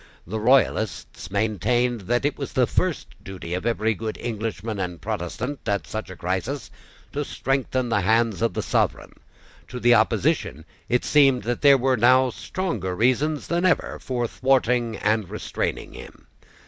The Royalists maintained that it was the first duty of every good Englishman and Protestant, at such a crisis, to strengthen the hands of the sovereign. To the opposition it seemed that there were now stronger reasons than ever for thwarting and restraining him.